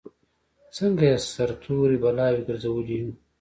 څنګه یې سره تورې بلاوې ګرځولي یو.